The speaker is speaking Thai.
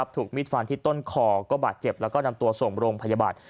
มิดฟันที่ต้นคอก็บาดเจ็บแล้วก็นำตัวส่งโรงพยาบาล